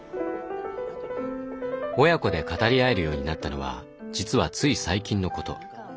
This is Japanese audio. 親子で語り合えるようになったのは実はつい最近のこと。